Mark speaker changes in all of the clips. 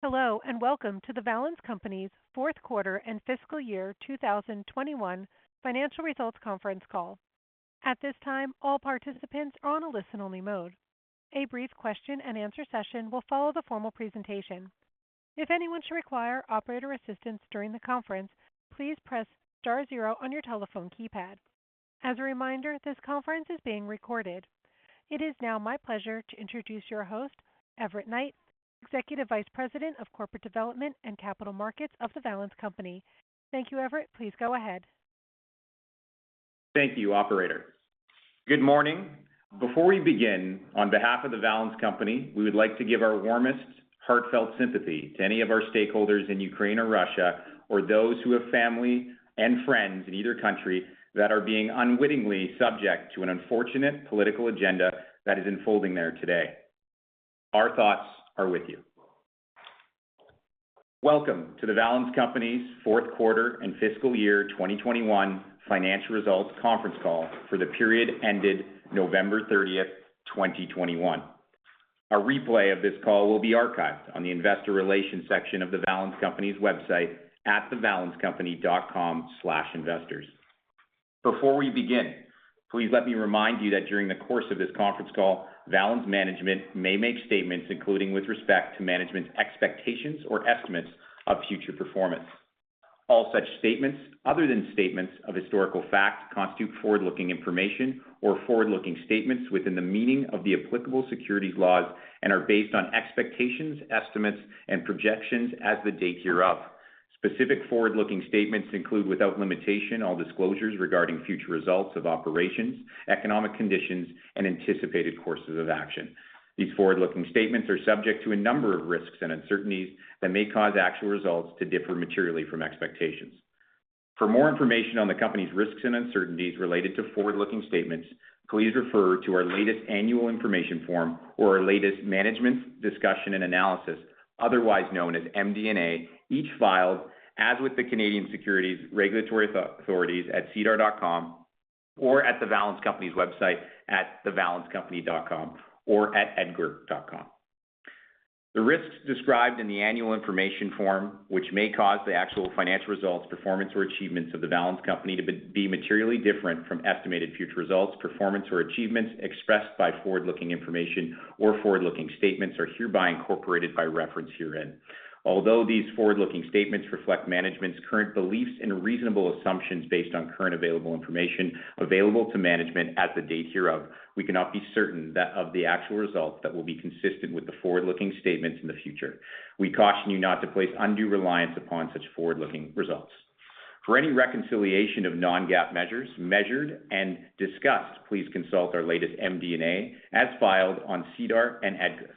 Speaker 1: Hello, and welcome to The Valens Company's fourth quarter and fiscal year 2021 financial results conference call. At this time, all participants are on a listen-only mode. A brief question and answer session will follow the formal presentation. If anyone should require operator assistance during the conference, please press star zero on your telephone keypad. As a reminder, this conference is being recorded. It is now my pleasure to introduce your host, Everett Knight, Executive Vice President of Corporate Development and Capital Markets of The Valens Company. Thank you, Everett. Please go ahead.
Speaker 2: Thank you, operator. Good morning. Before we begin, on behalf of The Valens Company, we would like to give our warmest, heartfelt sympathy to any of our stakeholders in Ukraine or Russia, or those who have family and friends in either country that are being unwittingly subject to an unfortunate political agenda that is unfolding there today. Our thoughts are with you. Welcome to The Valens Company's fourth quarter and fiscal year 2021 financial results conference call for the period ended November 30, 2021. A replay of this call will be archived on the investor relations section of The Valens Company's website at thevalenscompany.com/investors. Before we begin, please let me remind you that during the course of this conference call, Valens' management may make statements including with respect to management's expectations or estimates of future performance. All such statements, other than statements of historical fact, constitute forward-looking information or forward-looking statements within the meaning of the applicable securities laws and are based on expectations, estimates and projections as of the date hereof. Specific forward-looking statements include, without limitation, all disclosures regarding future results of operations, economic conditions and anticipated courses of action. These forward-looking statements are subject to a number of risks and uncertainties that may cause actual results to differ materially from expectations. For more information on the company's risks and uncertainties related to forward-looking statements, please refer to our latest annual information form or our latest management discussion and analysis, otherwise known as MD&A, each filed with the Canadian Securities Regulatory Authorities at sedar.com or at The Valens Company's website at thevalenscompany.com or at edgar.com. The risks described in the annual information form, which may cause the actual financial results, performance or achievements of The Valens Company to be materially different from estimated future results, performance or achievements expressed by forward-looking information or forward-looking statements are hereby incorporated by reference herein. Although these forward-looking statements reflect management's current beliefs and reasonable assumptions based on current available information to management at the date hereof, we cannot be certain of the actual results that will be consistent with the forward-looking statements in the future. We caution you not to place undue reliance upon such forward-looking results. For any reconciliation of non-GAAP measures measured and discussed, please consult our latest MD&A as filed on SEDAR and EDGAR.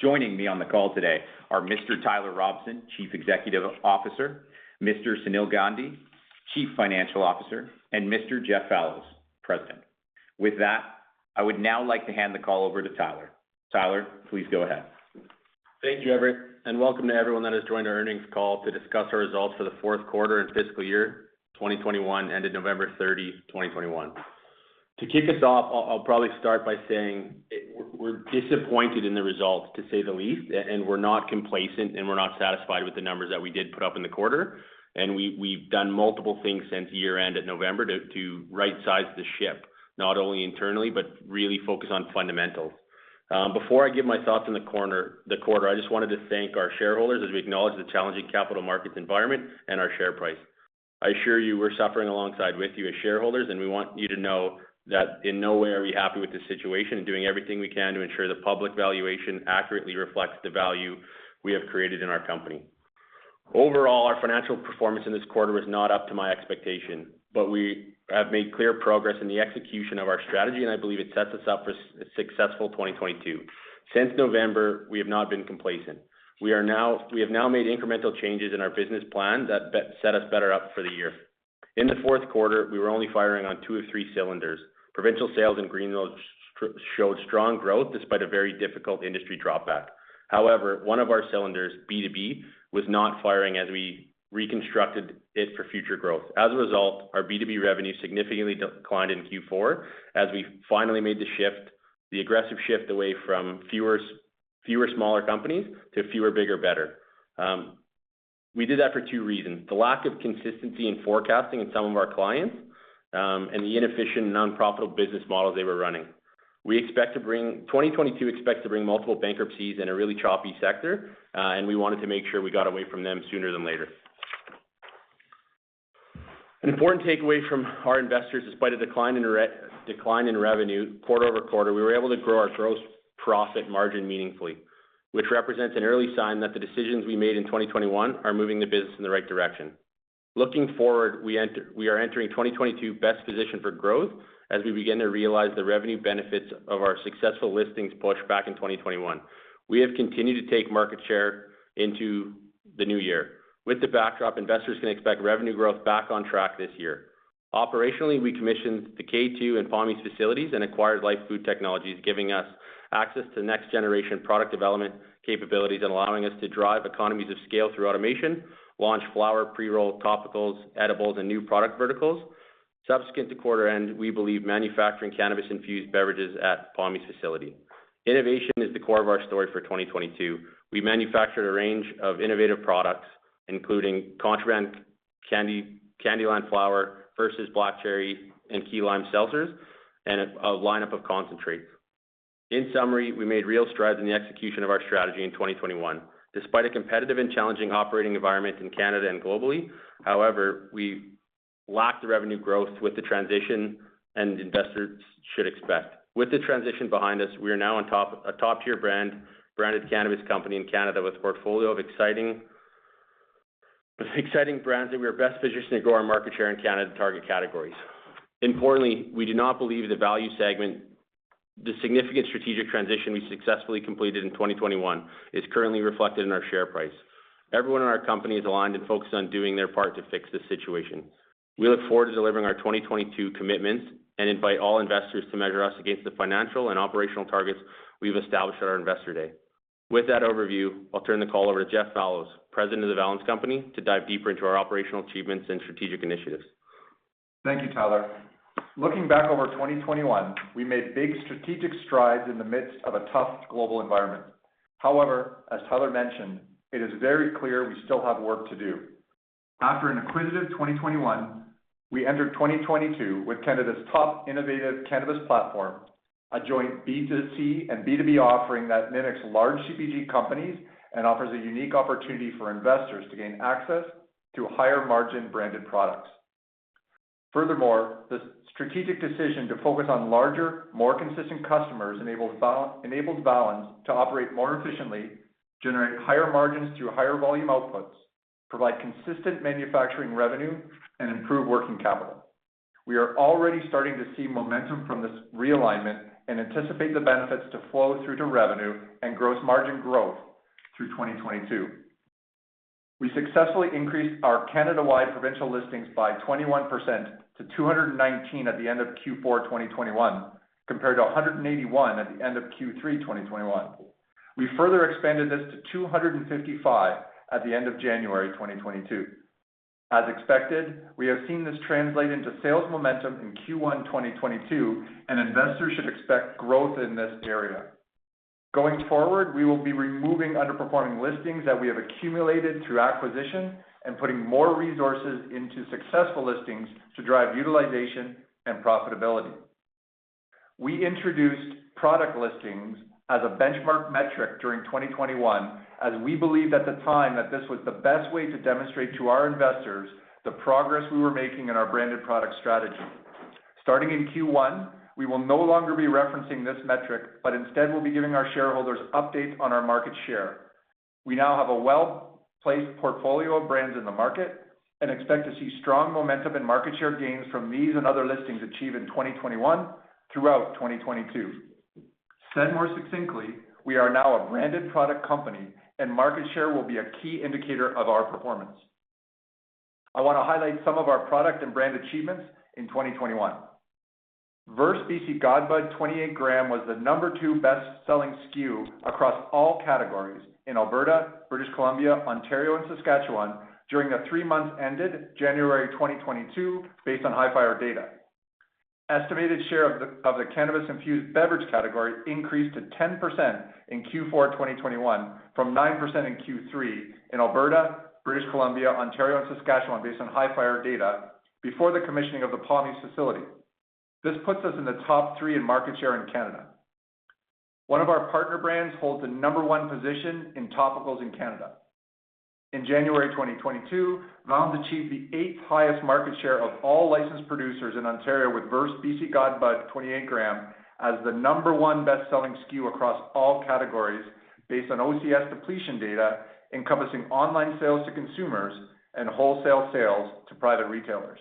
Speaker 2: Joining me on the call today are Mr. Tyler Robson, Chief Executive Officer, Mr. Sunil Gandhi, Chief Financial Officer, and Mr. Jeff Fallows, President. With that, I would now like to hand the call over to Tyler. Tyler, please go ahead.
Speaker 3: Thank you, Everett, and welcome to everyone that has joined our earnings call to discuss our results for the fourth quarter and fiscal year 2021 ended November 30, 2021. To kick us off, I'll probably start by saying we're disappointed in the results, to say the least, and we're not complacent, and we're not satisfied with the numbers that we did put up in the quarter. We've done multiple things since year-end at November to right-size the ship, not only internally, but really focus on fundamentals. Before I give my thoughts on the quarter, I just wanted to thank our shareholders as we acknowledge the challenging capital markets environment and our share price. I assure you we're suffering alongside with you as shareholders, and we want you to know that in no way are we happy with this situation and doing everything we can to ensure the public valuation accurately reflects the value we have created in our company. Overall, our financial performance in this quarter was not up to my expectation, but we have made clear progress in the execution of our strategy, and I believe it sets us up for successful 2022. Since November, we have not been complacent. We have now made incremental changes in our business plan that best sets us up better for the year. In the fourth quarter, we were only firing on two of three cylinders. Provincial sales and Green Roads showed strong growth despite a very difficult industry dropback. However, one of our cylinders, B2B, was not firing as we reconstructed it for future growth. As a result, our B2B revenue significantly declined in Q4 as we finally made the shift, the aggressive shift away from fewer smaller companies to fewer bigger, better. We did that for two reasons. The lack of consistency in forecasting in some of our clients and the inefficient, non-profitable business model they were running. 2022 expects to bring multiple bankruptcies in a really choppy sector, and we wanted to make sure we got away from them sooner than later. An important takeaway from our investors, despite a decline in revenue quarter over quarter, we were able to grow our gross profit margin meaningfully, which represents an early sign that the decisions we made in 2021 are moving the business in the right direction. Looking forward, we are entering 2022 best positioned for growth as we begin to realize the revenue benefits of our successful listings push back in 2021. We have continued to take market share into the new year. With the backdrop, investors can expect revenue growth back on track this year. Operationally, we commissioned the K2 and Pommies facilities and acquired LYF Food Technologies, giving us access to next generation product development capabilities and allowing us to drive economies of scale through automation, launch flower pre-roll topicals, edibles, and new product verticals. Subsequent to quarter end, we began manufacturing cannabis-infused beverages at the Pommies facility. Innovation is the core of our story for 2022. We manufactured a range of innovative products, including Contraband Candyland flower, Versus Black Cherry and Key Lime seltzers, and a lineup of concentrates. In summary, we made real strides in the execution of our strategy in 2021 despite a competitive and challenging operating environment in Canada and globally. However, we lacked the revenue growth with the transition and investors should expect. With the transition behind us, we are now a top-tier branded cannabis company in Canada with a portfolio of exciting brands that we are best positioned to grow our market share in Canada target categories. Importantly, we do not believe the value segment. The significant strategic transition we successfully completed in 2021 is currently reflected in our share price. Everyone in our company is aligned and focused on doing their part to fix the situation. We look forward to delivering our 2022 commitments and invite all investors to measure us against the financial and operational targets we've established at our Investor Day. With that overview, I'll turn the call over to Jeff Fallows, President of The Valens Company, to dive deeper into our operational achievements and strategic initiatives.
Speaker 4: Thank you, Tyler. Looking back over 2021, we made big strategic strides in the midst of a tough global environment. However, as Tyler mentioned, it is very clear we still have work to do. After an acquisitive 2021, we entered 2022 with Canada's top innovative cannabis platform, a joint B2C and B2B offering that mimics large CPG companies and offers a unique opportunity for investors to gain access to higher-margin branded products. Furthermore, the strategic decision to focus on larger, more consistent customers enables Valens to operate more efficiently, generate higher margins through higher volume outputs, provide consistent manufacturing revenue, and improve working capital. We are already starting to see momentum from this realignment and anticipate the benefits to flow through to revenue and gross margin growth through 2022. We successfully increased our Canada-wide provincial listings by 21% to 219 at the end of Q4 2021, compared to 181 at the end of Q3 2021. We further expanded this to 255 at the end of January 2022. As expected, we have seen this translate into sales momentum in Q1 2022, and investors should expect growth in this area. Going forward, we will be removing underperforming listings that we have accumulated through acquisition and putting more resources into successful listings to drive utilization and profitability. We introduced product listings as a benchmark metric during 2021, as we believed at the time that this was the best way to demonstrate to our investors the progress we were making in our branded product strategy. Starting in Q1, we will no longer be referencing this metric, but instead we'll be giving our shareholders updates on our market share. We now have a well-placed portfolio of brands in the market and expect to see strong momentum and market share gains from these and other listings achieved in 2021 throughout 2022. Said more succinctly, we are now a branded product company, and market share will be a key indicator of our performance. I wanna highlight some of our product and brand achievements in 2021. Versus BC God Bud 28-gram was the number two best-selling SKU across all categories in Alberta, British Columbia, Ontario, and Saskatchewan during the three months ended January 2022, based on Hifyre data. Estimated share of the cannabis-infused beverage category increased to 10% in Q4 2021 from 9% in Q3 in Alberta, British Columbia, Ontario, and Saskatchewan, based on Hifyre data before the commissioning of the Pommies facility. This puts us in the top three in market share in Canada. One of our partner brands holds the number one position in topicals in Canada. In January 2022, Valens achieved the eighth-highest market share of all licensed producers in Ontario with Versus BC God Bud 28-gram as the number one best-selling SKU across all categories based on OCS depletion data encompassing online sales to consumers and wholesale sales to private retailers.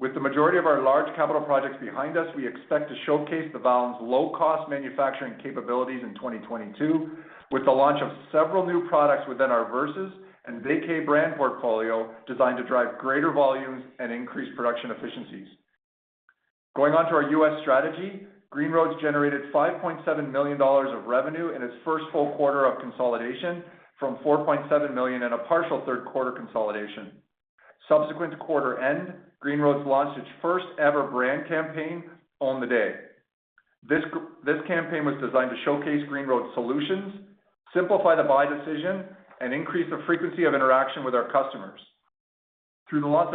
Speaker 4: With the majority of our large capital projects behind us, we expect to showcase the Valens low-cost manufacturing capabilities in 2022 with the launch of several new products within our Versus and Vacay brand portfolio designed to drive greater volumes and increase production efficiencies. Going on to our US strategy, Green Roads generated $5.7 million of revenue in its first full quarter of consolidation from $4.7 million in a partial third quarter consolidation. Subsequent to quarter end, Green Roads launched its first-ever brand campaign, Own the Day. This campaign was designed to showcase Green Roads solutions, simplify the buy decision, and increase the frequency of interaction with our customers. Through the launch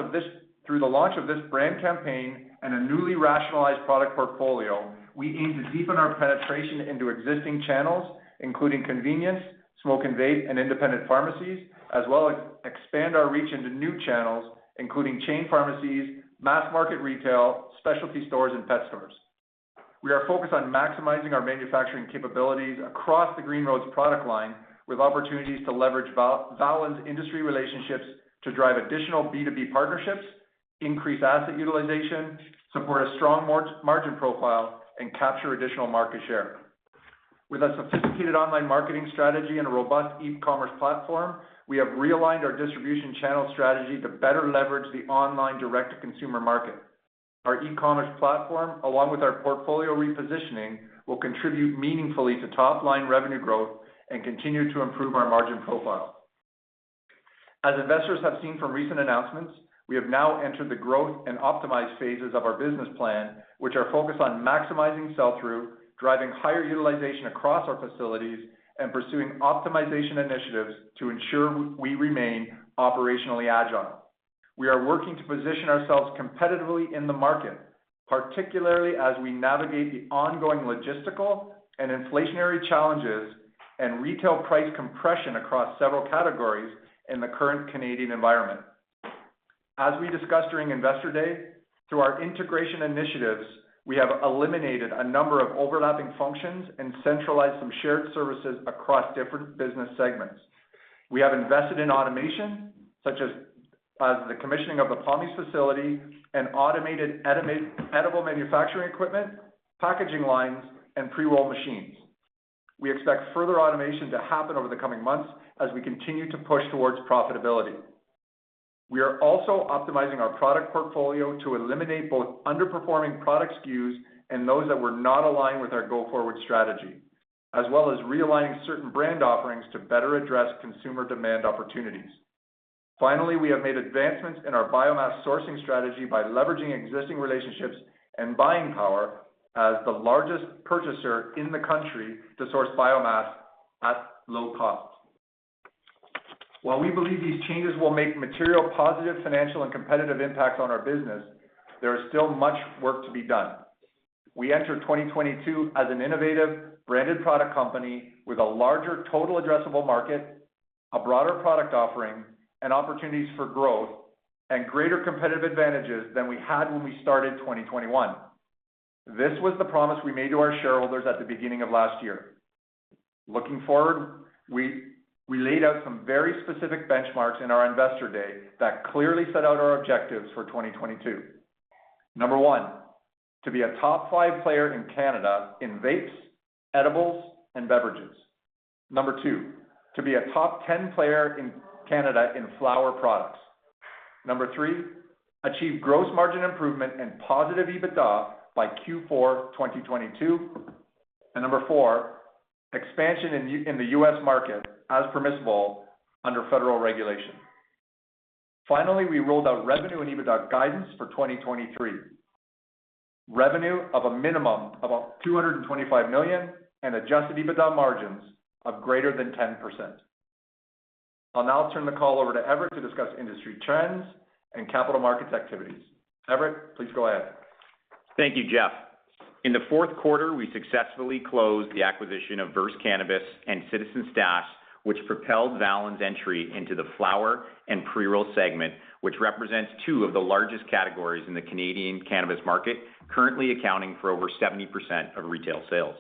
Speaker 4: of this brand campaign and a newly rationalized product portfolio, we aim to deepen our penetration into existing channels, including convenience, smoke and vape, and independent pharmacies, as well as expand our reach into new channels, including chain pharmacies, mass market retail, specialty stores, and pet stores. We are focused on maximizing our manufacturing capabilities across the Green Roads product line with opportunities to leverage Valens industry relationships to drive additional B2B partnerships, increase asset utilization, support a strong margin profile, and capture additional market share. With a sophisticated online marketing strategy and a robust e-commerce platform, we have realigned our distribution channel strategy to better leverage the online direct-to-consumer market. Our e-commerce platform, along with our portfolio repositioning, will contribute meaningfully to top-line revenue growth and continue to improve our margin profile. As investors have seen from recent announcements, we have now entered the growth and optimized phases of our business plan, which are focused on maximizing sell-through, driving higher utilization across our facilities, and pursuing optimization initiatives to ensure we remain operationally agile. We are working to position ourselves competitively in the market, particularly as we navigate the ongoing logistical and inflationary challenges and retail price compression across several categories in the current Canadian environment. As we discussed during Investor Day, through our integration initiatives, we have eliminated a number of overlapping functions and centralized some shared services across different business segments. We have invested in automation, such as the commissioning of the Pommies facility and automated edible manufacturing equipment, packaging lines, and pre-roll machines. We expect further automation to happen over the coming months as we continue to push towards profitability. We are also optimizing our product portfolio to eliminate both underperforming product SKUs and those that were not aligned with our go-forward strategy, as well as realigning certain brand offerings to better address consumer demand opportunities. Finally, we have made advancements in our biomass sourcing strategy by leveraging existing relationships and buying power as the largest purchaser in the country to source biomass at low cost. While we believe these changes will make material positive financial and competitive impacts on our business, there is still much work to be done. We enter 2022 as an innovative branded product company with a larger total addressable market, a broader product offering and opportunities for growth and greater competitive advantages than we had when we started 2021. This was the promise we made to our shareholders at the beginning of last year. Looking forward, we laid out some very specific benchmarks in our Investor Day that clearly set out our objectives for 2022. Number one, to be a top five player in Canada in vapes, edibles, and beverages. Number two, to be a top 10 player in Canada in flower products. Number three, achieve gross margin improvement and positive EBITDA by Q4 2022. Number four, expansion in the U.S. market as permissible under federal regulation. Finally, we rolled out revenue and EBITDA guidance for 2023. Revenue of a minimum of 225 million and adjusted EBITDA margins of greater than 10%. I'll now turn the call over to Everett to discuss industry trends and capital markets activities. Everett, please go ahead.
Speaker 2: Thank you, Jeff. In the fourth quarter, we successfully closed the acquisition of Versus Cannabis and Citizen Stash, which propelled Valens' entry into the flower and pre-roll segment, which represents two of the largest categories in the Canadian cannabis market, currently accounting for over 70% of retail sales.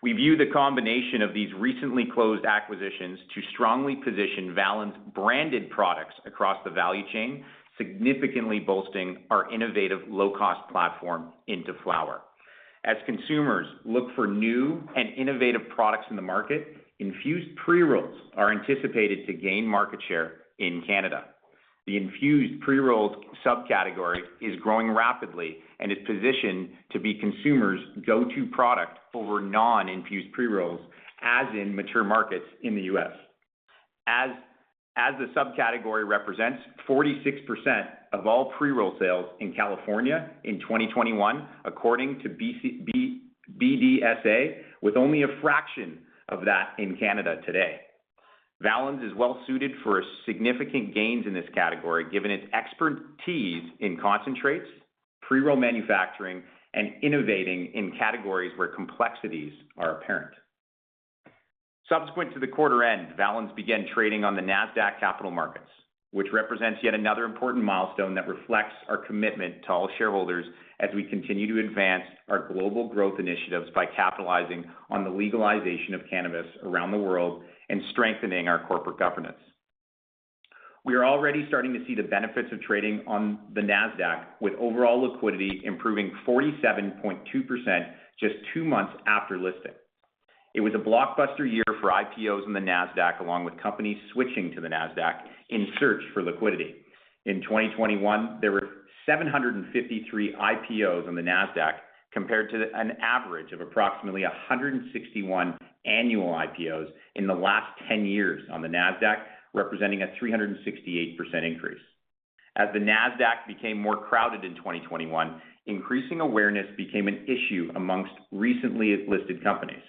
Speaker 2: We view the combination of these recently closed acquisitions to strongly position Valens branded products across the value chain, significantly bolstering our innovative low-cost platform into flower. As consumers look for new and innovative products in the market, infused pre-rolls are anticipated to gain market share in Canada. The infused pre-rolls subcategory is growing rapidly and is positioned to be consumers' go-to product over non-infused pre-rolls as in mature markets in the U.S. As the subcategory represents 46% of all pre-roll sales in California in 2021, according to BDSA, with only a fraction of that in Canada today. Valens is well suited for significant gains in this category, given its expertise in concentrates, pre-roll manufacturing, and innovating in categories where complexities are apparent. Subsequent to the quarter end, Valens began trading on the Nasdaq Capital Market, which represents yet another important milestone that reflects our commitment to all shareholders as we continue to advance our global growth initiatives by capitalizing on the legalization of cannabis around the world and strengthening our corporate governance. We are already starting to see the benefits of trading on the Nasdaq, with overall liquidity improving 47.2% just two months after listing. It was a blockbuster year for IPOs in the Nasdaq, along with companies switching to the Nasdaq in search for liquidity. In 2021, there were 753 IPOs on the Nasdaq, compared to an average of approximately 161 annual IPOs in the last 10 years on the Nasdaq, representing a 368% increase. As the Nasdaq became more crowded in 2021, increasing awareness became an issue among recently listed companies.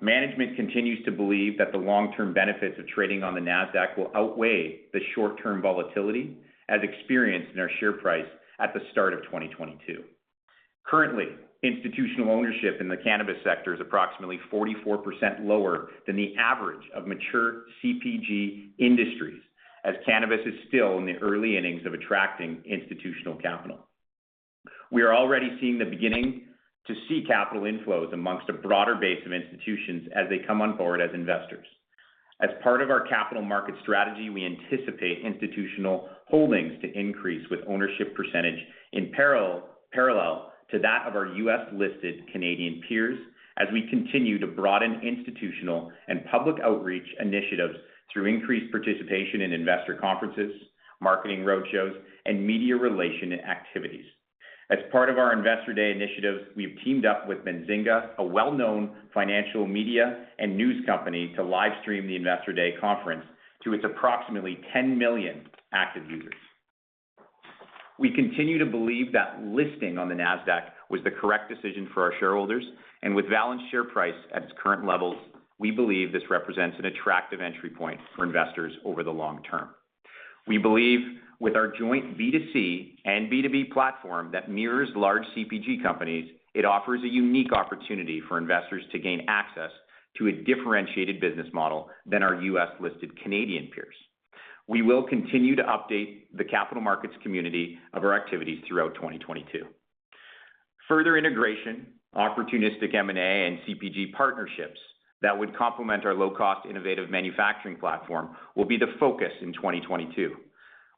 Speaker 2: Management continues to believe that the long-term benefits of trading on the Nasdaq will outweigh the short-term volatility as experienced in our share price at the start of 2022. Currently, institutional ownership in the cannabis sector is approximately 44% lower than the average of mature CPG industries, as cannabis is still in the early innings of attracting institutional capital. We are already beginning to see capital inflows among a broader base of institutions as they come on board as investors. As part of our capital market strategy, we anticipate institutional holdings to increase with ownership percentage in parallel to that of our U.S.-listed Canadian peers as we continue to broaden institutional and public outreach initiatives through increased participation in investor conferences, marketing roadshows, and media relations activities. As part of our Investor Day initiatives, we've teamed up with Benzinga, a well-known financial media and news company, to live stream the Investor Day conference to its approximately 10 million active users. We continue to believe that listing on the Nasdaq was the correct decision for our shareholders. With Valens' share price at its current levels, we believe this represents an attractive entry point for investors over the long term. We believe with our joint B2C and B2B platform that mirrors large CPG companies, it offers a unique opportunity for investors to gain access to a differentiated business model than our U.S.-listed Canadian peers. We will continue to update the capital markets community of our activities throughout 2022. Further integration, opportunistic M&A, and CPG partnerships that would complement our low-cost innovative manufacturing platform will be the focus in 2022.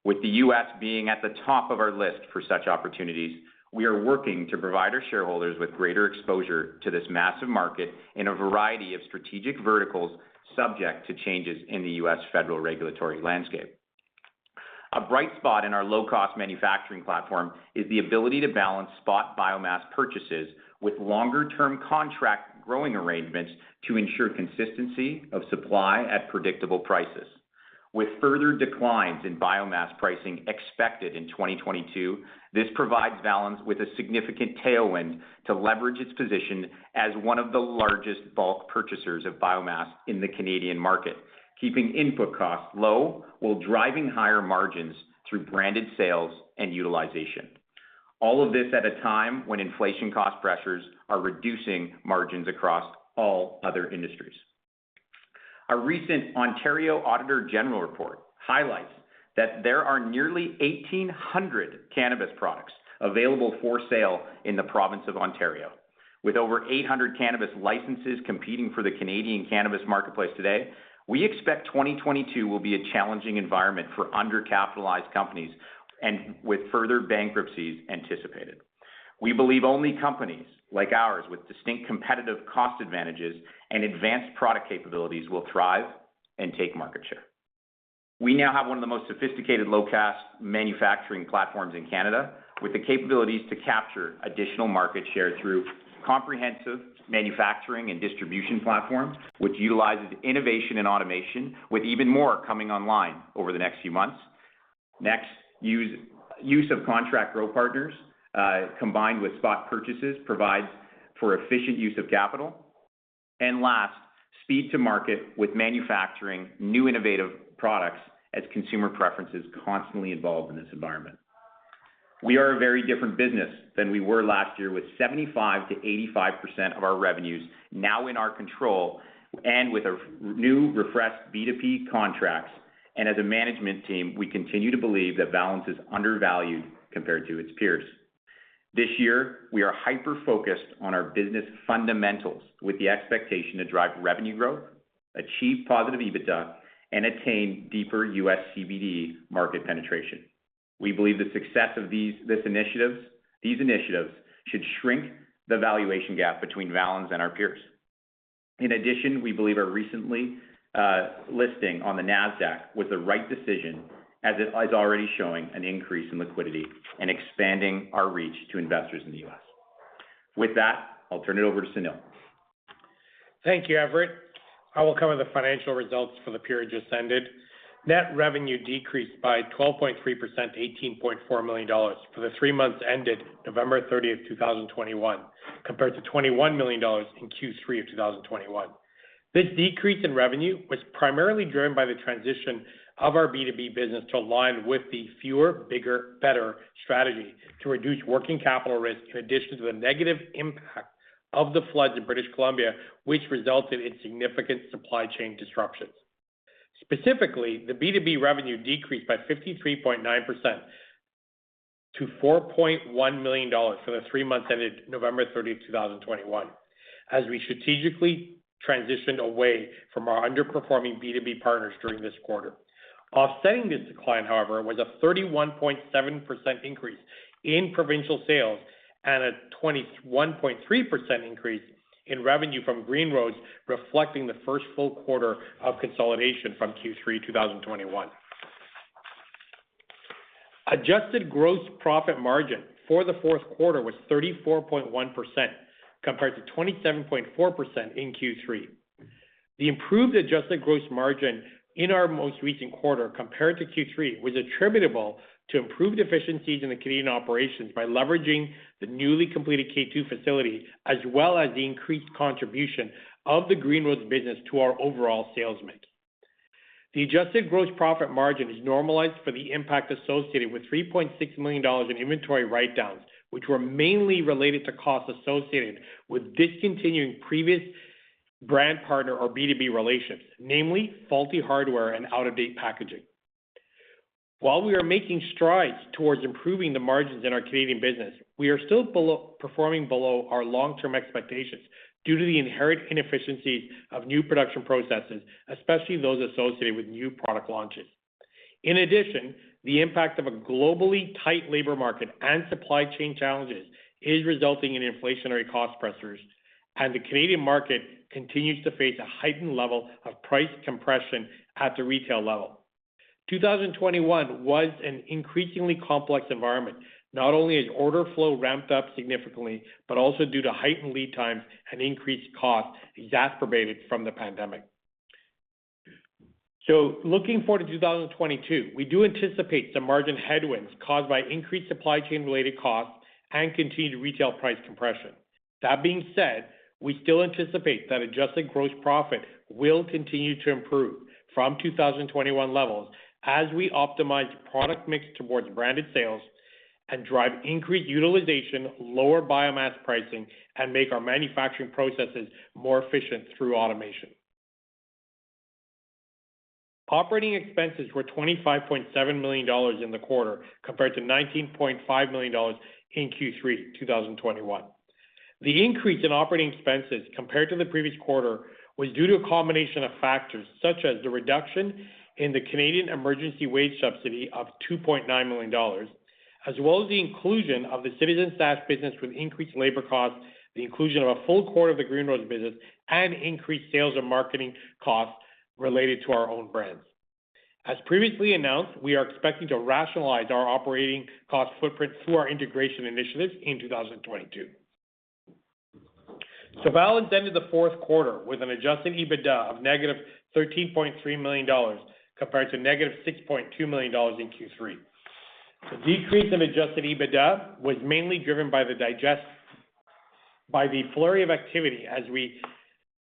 Speaker 2: With the U.S. being at the top of our list for such opportunities, we are working to provide our shareholders with greater exposure to this massive market in a variety of strategic verticals, subject to changes in the U.S. federal regulatory landscape. A bright spot in our low-cost manufacturing platform is the ability to balance spot biomass purchases with longer-term contract growing arrangements to ensure consistency of supply at predictable prices. With further declines in biomass pricing expected in 2022, this provides Valens with a significant tailwind to leverage its position as one of the largest bulk purchasers of biomass in the Canadian market, keeping input costs low while driving higher margins through branded sales and utilization. All of this at a time when inflation cost pressures are reducing margins across all other industries. A recent Ontario Auditor General report highlights that there are nearly 1,800 cannabis products available for sale in the province of Ontario. With over 800 cannabis licenses competing for the Canadian cannabis marketplace today, we expect 2022 will be a challenging environment for undercapitalized companies and with further bankruptcies anticipated. We believe only companies like ours with distinct competitive cost advantages and advanced product capabilities will thrive and take market share. We now have one of the most sophisticated low-cost manufacturing platforms in Canada, with the capabilities to capture additional market share through comprehensive manufacturing and distribution platforms, which utilizes innovation and automation, with even more coming online over the next few months. Next, use of contract grow partners, combined with spot purchases, provides for efficient use of capital. Last, speed to market with manufacturing new innovative products as consumer preferences constantly evolve in this environment. We are a very different business than we were last year, with 75%-85% of our revenues now in our control and with our new refreshed B2B contracts. As a management team, we continue to believe that Valens is undervalued compared to its peers. This year, we are hyper-focused on our business fundamentals with the expectation to drive revenue growth, achieve positive EBITDA, and attain deeper U.S. CBD market penetration. We believe the success of these initiatives should shrink the valuation gap between Valens and our peers. In addition, we believe our recently listing on the Nasdaq was the right decision as it is already showing an increase in liquidity and expanding our reach to investors in the U.S. With that, I'll turn it over to Sunil.
Speaker 5: Thank you, Everett. I will cover the financial results for the period just ended. Net revenue decreased by 12.3% to 18.4 million dollars for the three months ended November 30, 2021, compared to 21 million dollars in Q3 of 2021. This decrease in revenue was primarily driven by the transition of our B2B business to align with the fewer, bigger, better strategy to reduce working capital risk, in addition to the negative impact of the floods in British Columbia, which resulted in significant supply chain disruptions. Specifically, the B2B revenue decreased by 53.9% to 4.1 million dollars for the three months ended November 30, 2021, as we strategically transitioned away from our underperforming B2B partners during this quarter. Offsetting this decline, however, was a 31.7% increase in provincial sales and a 21.3% increase in revenue from Green Roads, reflecting the first full quarter of consolidation from Q3 2021. Adjusted gross profit margin for the fourth quarter was 34.1%, compared to 27.4% in Q3. The improved adjusted gross margin in our most recent quarter compared to Q3 was attributable to improved efficiencies in the Canadian operations by leveraging the newly completed K2 Facility as well as the increased contribution of the Green Roads business to our overall sales mix. The adjusted gross profit margin is normalized for the impact associated with 3.6 million dollars in inventory write-downs, which were mainly related to costs associated with discontinuing previous brand partner or B2B relations, namely faulty hardware and out-of-date packaging. While we are making strides towards improving the margins in our Canadian business, we are still performing below our long-term expectations due to the inherent inefficiencies of new production processes, especially those associated with new product launches. In addition, the impact of a globally tight labor market and supply chain challenges is resulting in inflationary cost pressures, and the Canadian market continues to face a heightened level of price compression at the retail level. 2021 was an increasingly complex environment. Not only is order flow ramped up significantly, but also due to heightened lead times and increased costs exacerbated from the pandemic. Looking forward to 2022, we do anticipate some margin headwinds caused by increased supply chain related costs and continued retail price compression. That being said, we still anticipate that adjusted gross profit will continue to improve from 2021 levels as we optimize product mix towards branded sales and drive increased utilization, lower biomass pricing, and make our manufacturing processes more efficient through automation. Operating expenses were 25.7 million dollars in the quarter compared to 19.5 million dollars in Q3 2021. The increase in operating expenses compared to the previous quarter was due to a combination of factors such as the reduction in the Canada Emergency Wage Subsidy of 2.9 million dollars, as well as the inclusion of the Citizen Stash business with increased labor costs, the inclusion of a full quarter of the Green Roads business, and increased sales and marketing costs related to our own brands. As previously announced, we are expecting to rationalize our operating cost footprint through our integration initiatives in 2022. Valens ended the fourth quarter with an adjusted EBITDA of negative 13.3 million dollars, compared to negative 6.2 million dollars in Q3. The decrease in adjusted EBITDA was mainly driven by the flurry of activity as we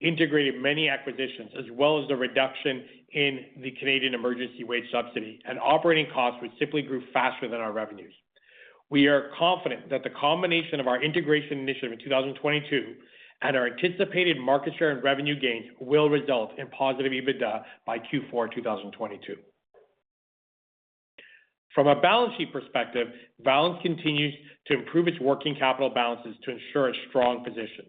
Speaker 5: integrated many acquisitions, as well as the reduction in the Canada Emergency Wage Subsidy and operating costs, which simply grew faster than our revenues. We are confident that the combination of our integration initiative in 2022 and our anticipated market share and revenue gains will result in positive EBITDA by Q4 2022. From a balance sheet perspective, Valens continues to improve its working capital balances to ensure a strong position.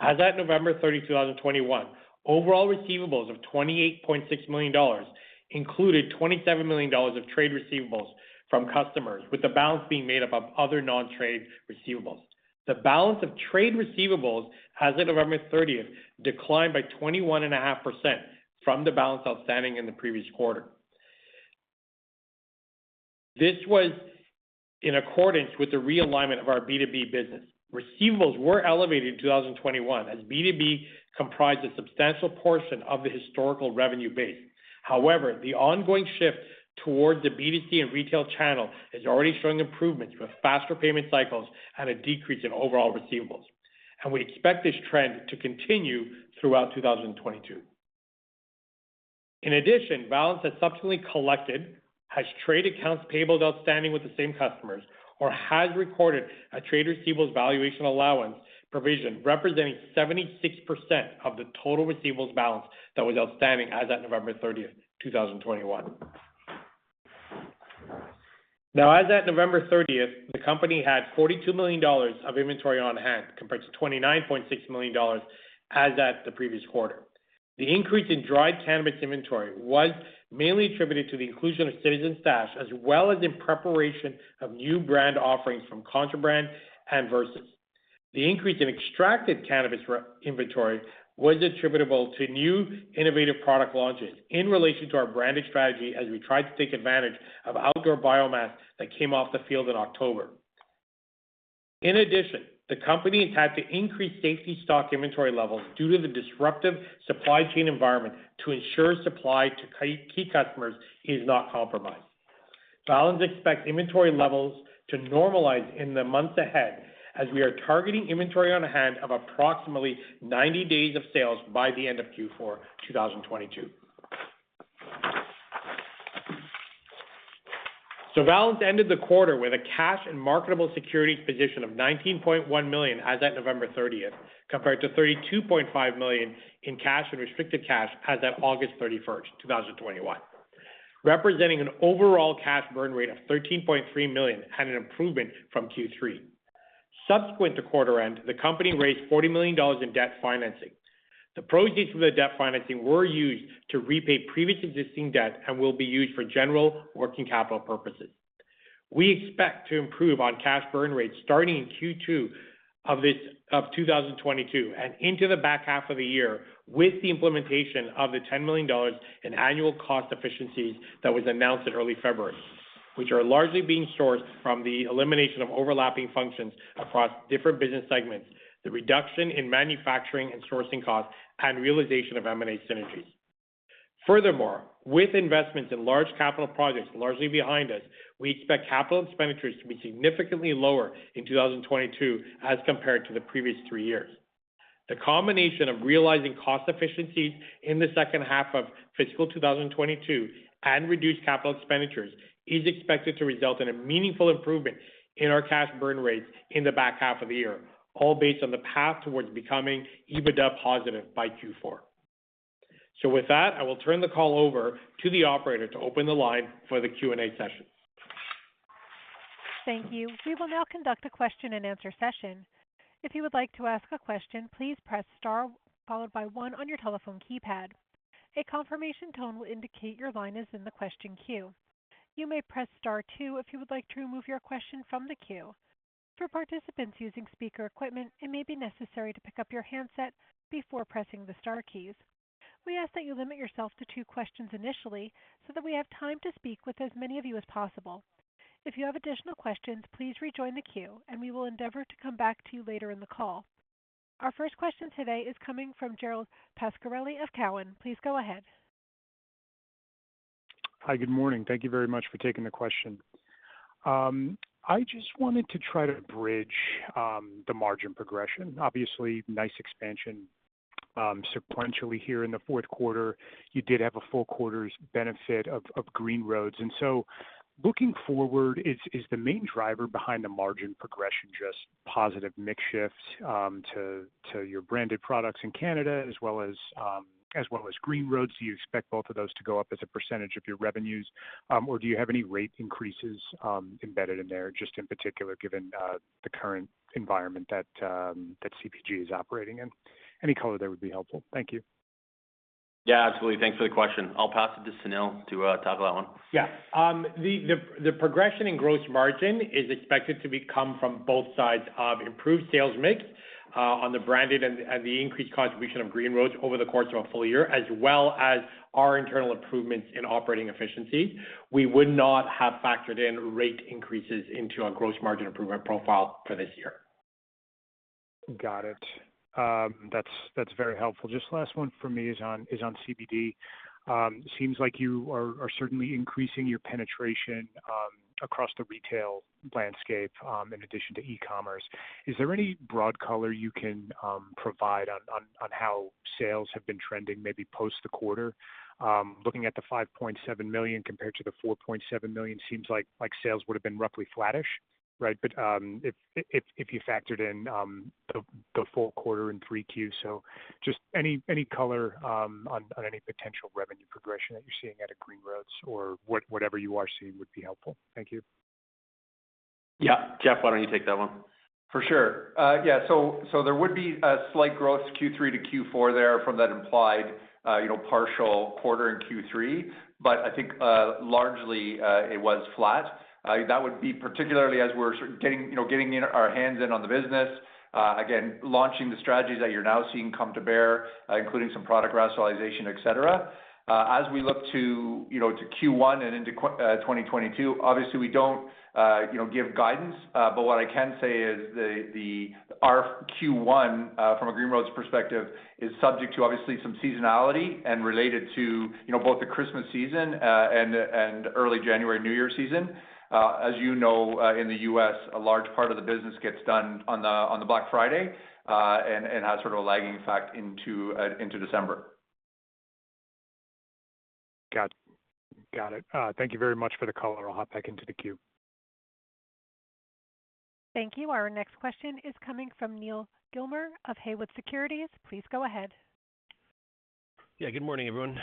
Speaker 5: As of November 30, 2021, overall receivables of 28.6 million dollars included 27 million dollars of trade receivables from customers, with the balance being made up of other non-trade receivables. The balance of trade receivables as of November 30 declined by 21.5% from the balance outstanding in the previous quarter. This was in accordance with the realignment of our B2B business. Receivables were elevated in 2021, as B2B comprised a substantial portion of the historical revenue base. However, the ongoing shift towards the B2C and retail channel is already showing improvements with faster payment cycles and a decrease in overall receivables, and we expect this trend to continue throughout 2022. In addition, Valens has subsequently collected, has trade accounts payables outstanding with the same customers, or has recorded a trade receivables valuation allowance provision representing 76% of the total receivables balance that was outstanding as at November 30, 2021. Now, as at November 30, the company had 42 million dollars of inventory on hand, compared to 29.6 million dollars as at the previous quarter. The increase in dried cannabis inventory was mainly attributed to the inclusion of Citizen Stash, as well as in preparation of new brand offerings from Contraband and Versus. The increase in extracted cannabis inventory was attributable to new innovative product launches in relation to our branded strategy as we tried to take advantage of outdoor biomass that came off the field in October. In addition, the company has had to increase safety stock inventory levels due to the disruptive supply chain environment to ensure supply to key customers is not compromised. Valens expects inventory levels to normalize in the months ahead as we are targeting inventory on hand of approximately 90 days of sales by the end of Q4 2022. Valens ended the quarter with a cash and marketable securities position of 19.1 million as at November 30, compared to 32.5 million in cash and restricted cash as at August 31, 2021, representing an overall cash burn rate of 13.3 million and an improvement from Q3. Subsequent to quarter end, the company raised 40 million dollars in debt financing. The proceeds from the debt financing were used to repay previous existing debt and will be used for general working capital purposes. We expect to improve on cash burn rates starting in Q2 of 2022 and into the back half of the year with the implementation of 10 million dollars in annual cost efficiencies that was announced in early February, which are largely being sourced from the elimination of overlapping functions across different business segments, the reduction in manufacturing and sourcing costs, and realization of M&A synergies. Furthermore, with investments in large capital projects largely behind us, we expect capital expenditures to be significantly lower in 2022 as compared to the previous three years. The combination of realizing cost efficiencies in the second half of fiscal 2022 and reduced capital expenditures is expected to result in a meaningful improvement in our cash burn rates in the back half of the year, all based on the path towards becoming EBITDA positive by Q4. With that, I will turn the call over to the operator to open the line for the Q&A session.
Speaker 1: Thank you. We will now conduct a question and answer session. If you would like to ask a question, please press star followed by one on your telephone keypad. A confirmation tone will indicate your line is in the question queue. You may press star two if you would like to remove your question from the queue. For participants using speaker equipment, it may be necessary to pick up your handset before pressing the star keys. We ask that you limit yourself to two questions initially so that we have time to speak with as many of you as possible. If you have additional questions, please rejoin the queue and we will endeavor to come back to you later in the call. Our first question today is coming from Gerald Pascarelli of Cowen. Please go ahead.
Speaker 6: Hi. Good morning. Thank you very much for taking the question. I just wanted to try to bridge the margin progression. Obviously, nice expansion sequentially here in the fourth quarter. You did have a full quarter's benefit of Green Roads. Looking forward, is the main driver behind the margin progression just positive mix shift to your branded products in Canada as well as Green Roads? Do you expect both of those to go up as a percentage of your revenues, or do you have any rate increases embedded in there just in particular given the current environment that CPG is operating in? Any color there would be helpful. Thank you.
Speaker 3: Yeah, absolutely. Thanks for the question. I'll pass it to Sunil to tackle that one.
Speaker 5: Yeah. The progression in gross margin is expected to become from both sides of improved sales mix, on the branded and the increased contribution of Green Roads over the course of a full year, as well as our internal improvements in operating efficiency. We would not have factored in rate increases into our gross margin improvement profile for this year.
Speaker 6: Got it. That's very helpful. Just last one for me is on CBD. Seems like you are certainly increasing your penetration across the retail landscape in addition to e-commerce. Is there any broad color you can provide on how sales have been trending maybe post the quarter? Looking at the $5.7 million compared to the $4.7 million seems like sales would have been roughly flattish, right? But if you factored in the full quarter in Q3, just any color on any potential revenue progression that you're seeing out of Green Roads or whatever you are seeing would be helpful. Thank you.
Speaker 3: Yeah. Jeff, why don't you take that one?
Speaker 4: For sure. Yeah. There would be a slight growth Q3 to Q4 there from that implied, you know, partial quarter in Q3. I think largely it was flat. That would be particularly as we're sort of getting our hands on the business, again, launching the strategies that you're now seeing come to bear, including some product rationalization, et cetera. As we look to, you know, to Q1 and into 2022, obviously we don't give guidance, but what I can say is our Q1 from a Green Roads perspective is subject to some seasonality related to both the Christmas season and early January New Year season. As you know, in the U.S., a large part of the business gets done on the Black Friday and has sort of a lagging effect into December.
Speaker 6: Got it. Thank you very much for the color. I'll hop back into the queue.
Speaker 1: Thank you. Our next question is coming from Neal Gilmer of Haywood Securities. Please go ahead.
Speaker 7: Yeah, good morning, everyone.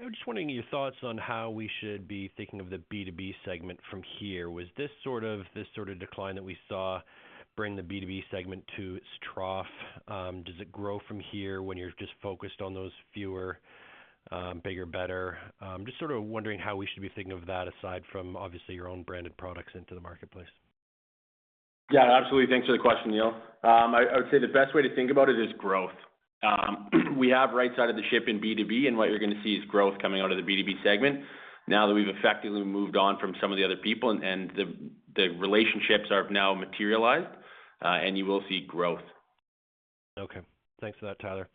Speaker 7: I was just wondering your thoughts on how we should be thinking of the B2B segment from here. Was this sort of decline that we saw bring the B2B segment to its trough? Does it grow from here when you're just focused on those fewer, bigger, better? Just sort of wondering how we should be thinking of that aside from obviously your own branded products into the marketplace.
Speaker 3: Yeah, absolutely. Thanks for the question, Neal. I would say the best way to think about it is growth. We have right side of the ship in B2B, and what you're gonna see is growth coming out of the B2B segment now that we've effectively moved on from some of the other people and the relationships are now materialized, and you will see growth.
Speaker 7: Okay. Thanks for that, Tyler.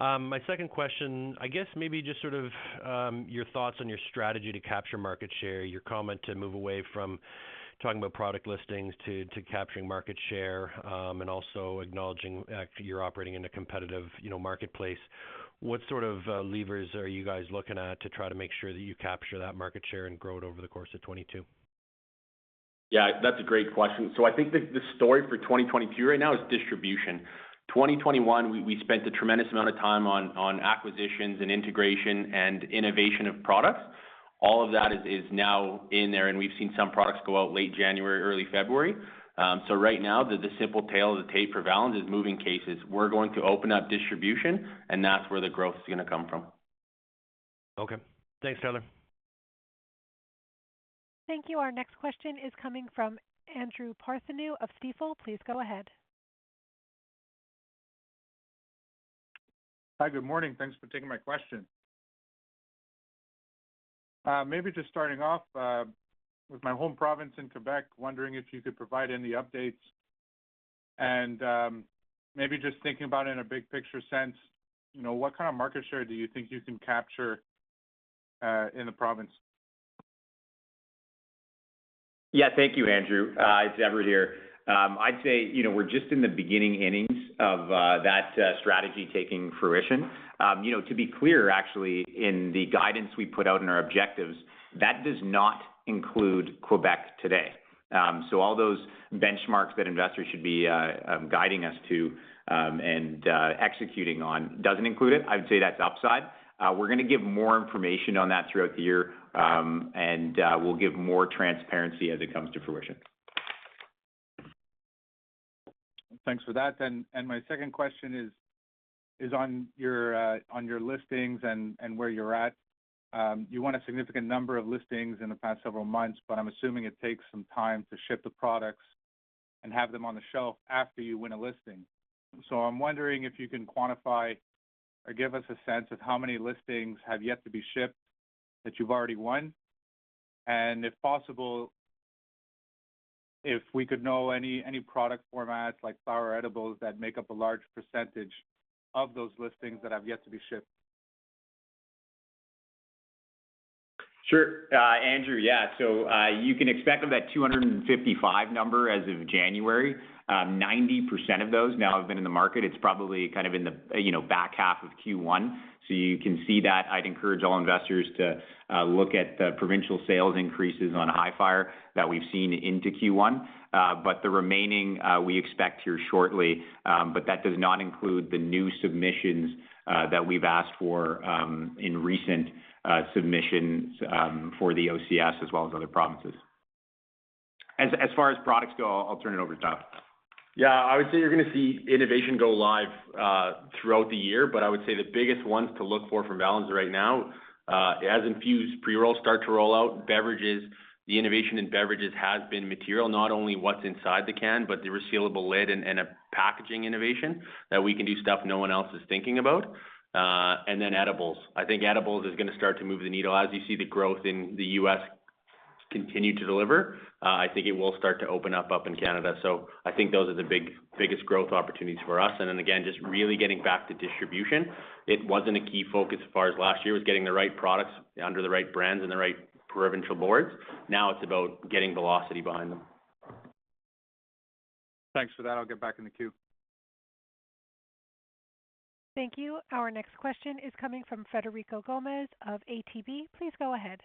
Speaker 7: My second question, I guess maybe just sort of your thoughts on your strategy to capture market share, your comment to move away from talking about product listings to capturing market share, and also acknowledging you're operating in a competitive marketplace. What sort of levers are you guys looking at to try to make sure that you capture that market share and grow it over the course of 2022?
Speaker 3: Yeah, that's a great question. I think the story for 2022 right now is distribution. 2021, we spent a tremendous amount of time on acquisitions and integration and innovation of products. All of that is now in there, and we've seen some products go out late January, early February. Right now the simple tale of the tape for Valens is moving cases. We're going to open up distribution, and that's where the growth is gonna come from.
Speaker 7: Okay. Thanks, Tyler.
Speaker 1: Thank you. Our next question is coming from Andrew Partheniou of Stifel. Please go ahead.
Speaker 8: Hi. Good morning. Thanks for taking my question. Maybe just starting off with my home province in Quebec, wondering if you could provide any updates and, maybe just thinking about in a big picture sense, you know, what kind of market share do you think you can capture in the province?
Speaker 2: Yeah. Thank you, Andrew. It's Everett here. I'd say, you know, we're just in the beginning innings of that strategy taking fruition. You know, to be clear, actually, in the guidance we put out in our objectives, that does not include Quebec today. All those benchmarks that investors should be guiding us to and executing on doesn't include it. I would say that's upside. We're gonna give more information on that throughout the year, and we'll give more transparency as it comes to fruition.
Speaker 8: Thanks for that. My second question is on your listings and where you're at. You won a significant number of listings in the past several months, but I'm assuming it takes some time to ship the products and have them on the shelf after you win a listing. I'm wondering if you can quantify or give us a sense of how many listings have yet to be shipped that you've already won. If possible, if we could know any product formats like flower edibles that make up a large percentage of those listings that have yet to be shipped.
Speaker 2: Sure. Andrew, yeah. You can expect of that 255 number as of January, 90% of those now have been in the market. It's probably kind of in the, you know, back half of Q1. You can see that. I'd encourage all investors to look at the provincial sales increases on Hifyre that we've seen into Q1. The remaining, we expect here shortly, but that does not include the new submissions that we've asked for in recent submissions for the OCS as well as other provinces. As far as products go, I'll turn it over to Tyler.
Speaker 3: Yeah. I would say you're gonna see innovation go live throughout the year, but I would say the biggest ones to look for from Valens right now as infused pre-rolls start to roll out, beverages, the innovation in beverages has been material, not only what's inside the can, but the resealable lid and a packaging innovation that we can do stuff no one else is thinking about. Then edibles. I think edibles is gonna start to move the needle. As you see the growth in the U.S. continue to deliver, I think it will start to open up in Canada. I think those are the biggest growth opportunities for us. Just really getting back to distribution. It wasn't a key focus as far as last year.
Speaker 4: It was getting the right products under the right brands in the right provincial boards. Now it's about getting velocity behind them.
Speaker 8: Thanks for that. I'll get back in the queue.
Speaker 1: Thank you. Our next question is coming from Frederico Gomes of ATB. Please go ahead.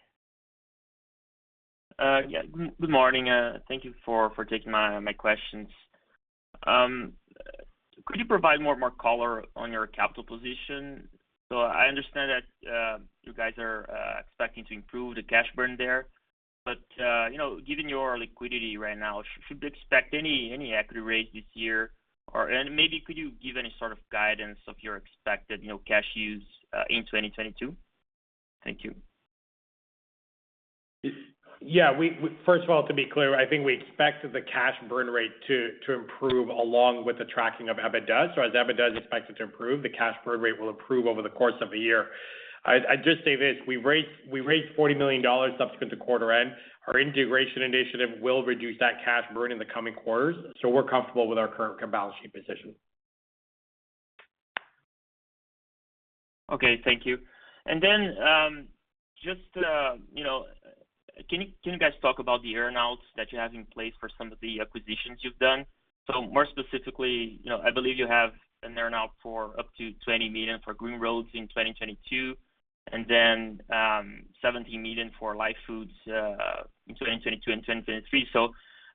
Speaker 9: Good morning. Thank you for taking my questions. Could you provide more color on your capital position? I understand that you guys are expecting to improve the cash burn there. You know, given your liquidity right now, should we expect any equity raise this year, and maybe could you give any sort of guidance on your expected cash use in 2022? Thank you.
Speaker 5: Yeah, first of all, to be clear, I think we expected the cash burn rate to improve along with the tracking of EBITDA. As EBITDA is expected to improve, the cash burn rate will improve over the course of a year. I'd just say this. We raised 40 million dollars subsequent to quarter end. Our integration initiative will reduce that cash burn in the coming quarters. We're comfortable with our current balance sheet position.
Speaker 9: Okay, thank you. Just, you know, can you guys talk about the earn-outs that you have in place for some of the acquisitions you've done? More specifically, you know, I believe you have an earn-out for up to $20 million for Green Roads in 2022, and then, 17 million for LYF Food Technologies in 2022 and 2023.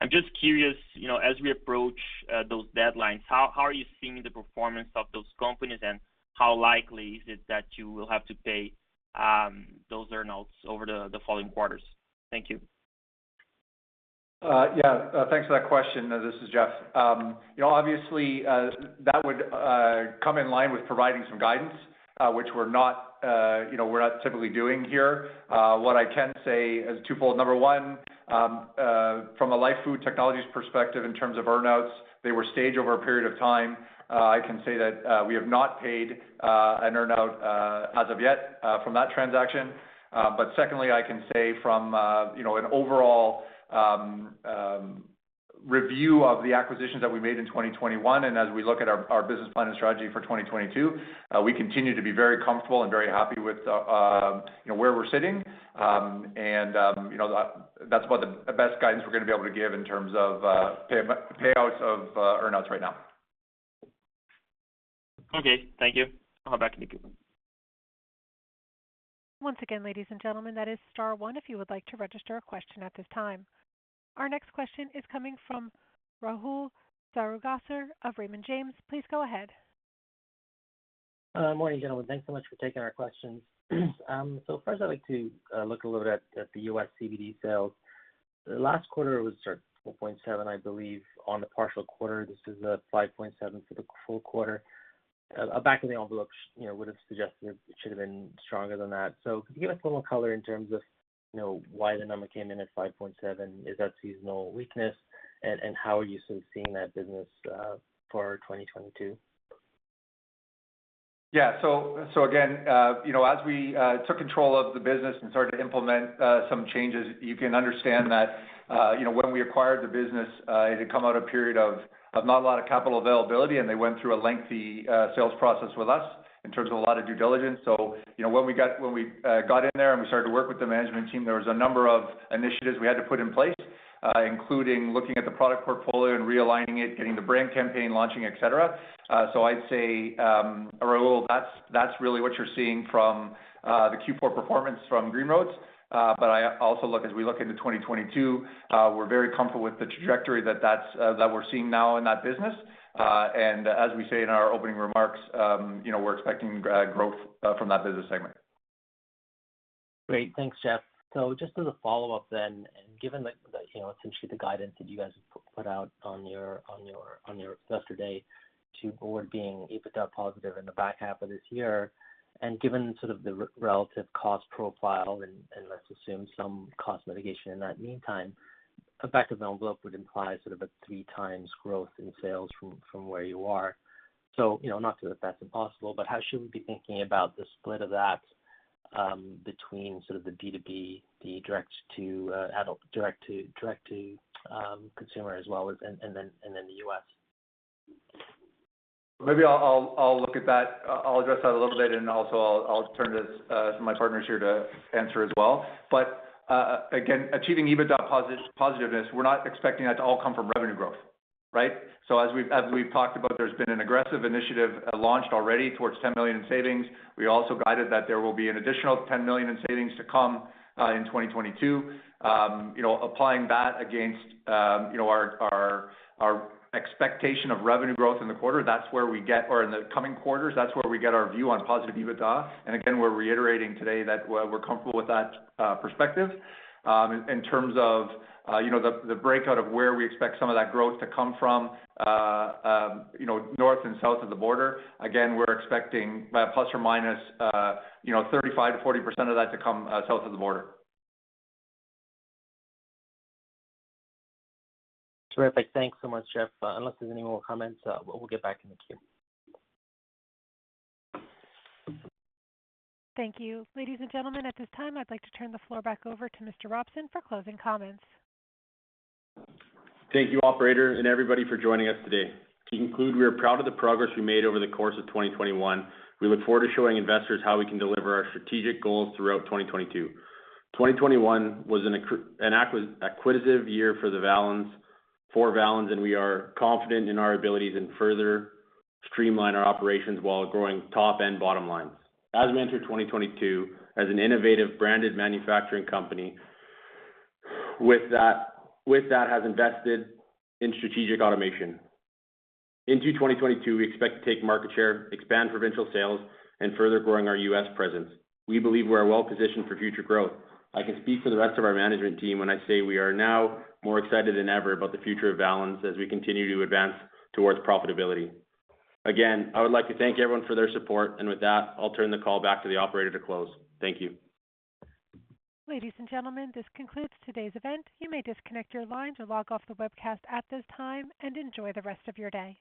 Speaker 9: I'm just curious, you know, as we approach those deadlines, how are you seeing the performance of those companies, and how likely is it that you will have to pay those earn-outs over the following quarters? Thank you.
Speaker 4: Yeah, thanks for that question. This is Jeff. You know, obviously, that would come in line with providing some guidance, which we're not, you know, we're not typically doing here. What I can say is twofold. Number 1, from a LYF Food Technologies perspective in terms of earn-outs, they were staged over a period of time. I can say that we have not paid an earn-out as of yet from that transaction. Secondly, I can say from you know an overall review of the acquisitions that we made in 2021 and as we look at our business plan and strategy for 2022, we continue to be very comfortable and very happy with you know where we're sitting. You know, that's about the best guidance we're gonna be able to give in terms of payouts of earn-outs right now.
Speaker 9: Okay, thank you. I'll hop back in the queue.
Speaker 1: Once again, ladies and gentlemen, that is star one if you would like to register a question at this time. Our next question is coming from Rahul Sarugaser of Raymond James. Please go ahead.
Speaker 10: Morning, gentlemen. Thanks so much for taking our questions. First I'd like to look a little bit at the U.S. CBD sales. Last quarter it was sort of $4.7, I believe, on the partial quarter. This is $5.7 for the full quarter. Back of the envelope, you know, would have suggested it should have been stronger than that. Could you give us a little color in terms of, you know, why the number came in at $5.7? Is that seasonal weakness? And how are you sort of seeing that business for 2022?
Speaker 4: Again, you know, as we took control of the business and started to implement some changes, you can understand that, you know, when we acquired the business, it had come out a period of not a lot of capital availability, and they went through a lengthy sales process with us in terms of a lot of due diligence. You know, when we got in there and we started to work with the management team, there was a number of initiatives we had to put in place, including looking at the product portfolio and realigning it, getting the brand campaign launching, et cetera. I'd say, Rahul, that's really what you're seeing from the Q4 performance from Green Roads. But I also look, as we look into 2022, we're very comfortable with the trajectory that we're seeing now in that business. As we say in our opening remarks, you know, we're expecting growth from that business segment.
Speaker 10: Great. Thanks, Jeff. Just as a follow-up then, given the you know, essentially the guidance that you guys put out yesterday to be EBITDA positive in the back half of this year, and given sort of the relative cost profile and let's assume some cost mitigation in that meantime, effective envelope would imply sort of a 3x growth in sales from where you are. You know, not to say that's impossible, but how should we be thinking about the split of that between sort of the B2C, the direct to consumer as well as the US?
Speaker 4: Maybe I'll look at that. I'll address that a little bit, and also I'll turn to some of my partners here to answer as well. Again, achieving EBITDA positiveness, we're not expecting that to all come from revenue growth, right? As we've talked about, there's been an aggressive initiative launched already towards 10 million in savings. We also guided that there will be an additional 10 million in savings to come in 2022. Applying that against our expectation of revenue growth in the coming quarters, that's where we get our view on positive EBITDA. Again, we're reiterating today that we're comfortable with that perspective. In terms of, you know, the breakout of where we expect some of that growth to come from, you know, north and south of the border, again, we're expecting by ±35%-40% of that to come south of the border.
Speaker 10: Terrific. Thanks so much, Jeff. Unless there's any more comments, we'll get back in the queue.
Speaker 1: Thank you. Ladies and gentlemen, at this time, I'd like to turn the floor back over to Mr. Robson for closing comments.
Speaker 3: Thank you, operator and everybody for joining us today. To conclude, we are proud of the progress we made over the course of 2021. We look forward to showing investors how we can deliver our strategic goals throughout 2022. 2021 was an acquisitive year for Valens, and we are confident in our abilities to further streamline our operations while growing top and bottom lines. As we enter 2022 as an innovative branded manufacturing company that has invested in strategic automation. Into 2022, we expect to take market share, expand provincial sales and further grow our U.S. presence. We believe we are well positioned for future growth. I can speak for the rest of our management team when I say we are now more excited than ever about the future of The Valens Company as we continue to advance towards profitability. Again, I would like to thank everyone for their support. With that, I'll turn the call back to the operator to close. Thank you.
Speaker 1: Ladies and gentlemen, this concludes today's event. You may disconnect your lines or log off the webcast at this time, and enjoy the rest of your day.